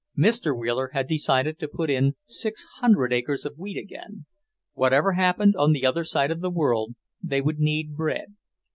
Mr. Wheeler had decided to put in six hundred acres of wheat again. Whatever happened on the other side of the world, they would need bread.